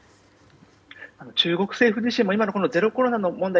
中国政府自身も今のゼロコロナの問題